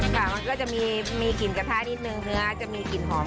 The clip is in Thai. ค่ะมันก็จะมีกลิ่นกระทะนิดนึงเนื้อจะมีกลิ่นหอม